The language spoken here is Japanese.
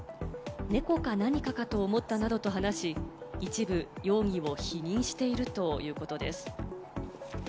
猫か何かかと思ったなどと話し、一部容疑を否認しているということです。